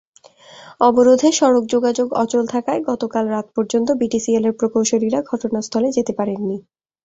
অবরোধে সড়ক যোগাযোগ অচল থাকায় গতকাল রাত পর্যন্ত বিটিসিএলের প্রকৌশলীরা ঘটনাস্থলে যেতে পারেননি।